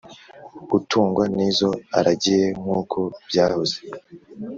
Utungwa n’izo aragiye nk’uko byahoze